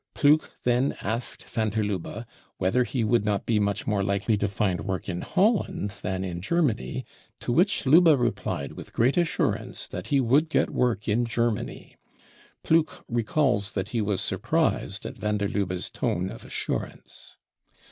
Ploegk then asked van der Lubbe whether he would not be much more likely to find work in Holland than in Germany, to which Lubbe replied with great assurance that he would get work in Germany. Ploegk recalls that he was surprised at van der Lubbe's tone of assurance.